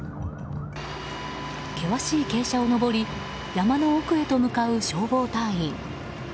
険しい傾斜を登り山の奥へと向かう消防隊員。